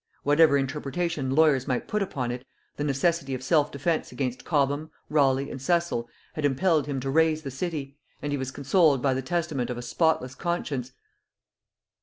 Whatever interpretation lawyers might put upon it, the necessity of self defence against Cobham, Raleigh and Cecil, had impelled him to raise the city; and he was consoled by the testimony of a spotless conscience.